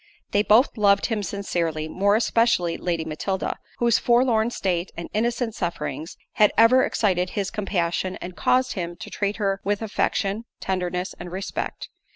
They both loved him sincerely; more especially Lady Matilda, whose forlorn state, and innocent sufferings, had ever excited his compassion and caused him to treat her with affection, tenderness, and respect.